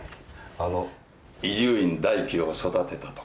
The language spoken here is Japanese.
あの伊集院大樹を育てたとか。